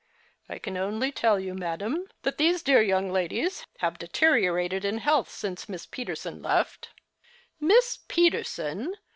" I can only tell you, madam, that these dear young The Christmas Hirelings. Go ladies have deteriorated in health since Miss Peterson left "" Miss Peterson